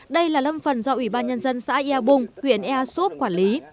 đây là lâm phần do ủy ban nhân dân xã ea bung huyện ea súp quản lý